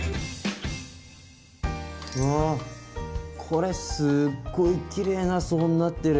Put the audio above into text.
うわこれすっごいきれいな層になってる。